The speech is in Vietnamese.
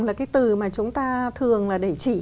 là cái từ mà chúng ta thường là để chỉ